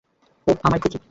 ওহ, আমার খুকি।